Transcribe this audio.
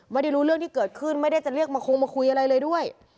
ไม่ได้รู้เรื่องที่เกิดขึ้นไม่ได้จะเรียกมาคงมาคุยอะไรเลยด้วย